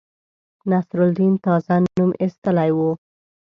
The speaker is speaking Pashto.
نصرالدین تازه نوم ایستلی وو.